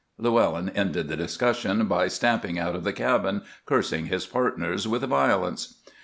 Llewellyn ended the discussion by stamping out of the cabin, cursing his partners with violence.